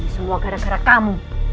semua gara gara kamu